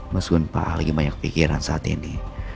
mas gunpa lagi banyak pikiran saat ini